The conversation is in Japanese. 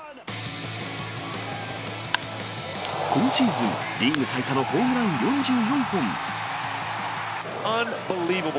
今シーズン、リーグ最多のホームラン４４本。